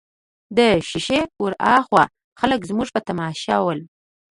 د شېشې ورهاخوا خلک زموږ په تماشه ول.